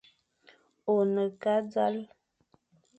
Ô ne ke e zal,